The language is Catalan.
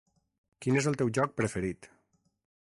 Quin és el teu joc preferit?